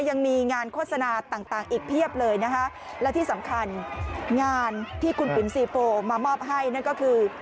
ยังมีงานโฆษณาต่างต่างอีกเพียบเลยนะคะและที่สำคัญงานที่คุณปิ่นซีโปมามอบให้นั่นก็คือ